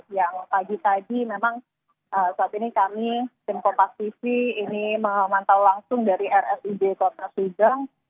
yang pagi pagi memang saat ini kami tim kompas tv ini memantau langsung dari rfid kota fidang